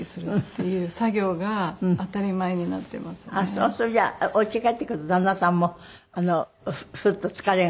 それじゃあおうちへ帰ってくると旦那さんもフッと疲れが。